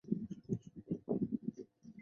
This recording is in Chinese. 肾上腺素拮抗剂指的是抑制功能的药物。